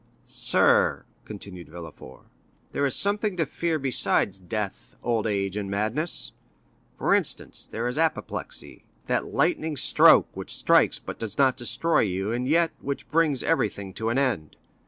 30031m "Sir," continued Villefort, "there is something to fear besides death, old age, and madness. For instance, there is apoplexy—that lightning stroke which strikes but does not destroy you, and yet which brings everything to an end.